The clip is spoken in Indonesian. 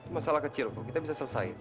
masalah kecil kok kita bisa selesai